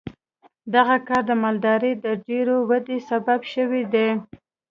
دغه کار د مالدارۍ د ډېرې ودې سبب شوی دی.